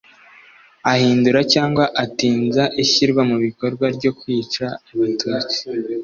ahindura cyangwa atinza ishyirwa mu bikorwa ryo kwica abatutsi